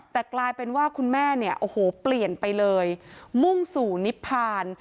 แต่กลายเป็นว่าคุณแม่เนี่ยโอ้โหเปลี่ยนไปเลยมุ่งสู่นิพพาน